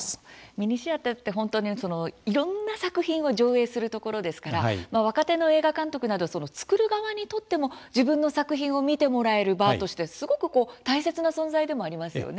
ミニシアターって本当にいろんな作品を上映するところですから若手の映画監督などその作る側にとっても自分の作品を見てもらえる場としてすごく大切な存在でもありますよね。